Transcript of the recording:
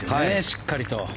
しっかりと。